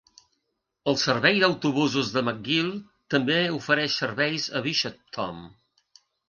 El servei d'autobusos de McGill també ofereix serveis a Bishopton.